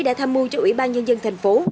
đã tham mưu cho ủy ban nhân dân thành phố